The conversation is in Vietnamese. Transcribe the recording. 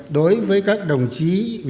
đối với các đồng chí là một cái thông tin